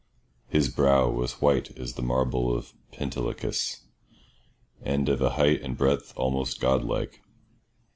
His brow was white as the marble of Pentelicus, and of a height and breadth almost godlike.